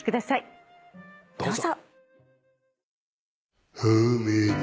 どうぞ。